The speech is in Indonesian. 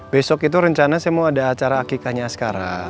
besok itu rencana saya mau ada acara akikanya askara